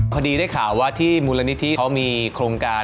พอดีได้ข่าวว่าที่มูลนิธิเขามีโครงการ